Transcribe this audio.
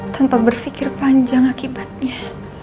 tanpa berfikir panjang akibatnya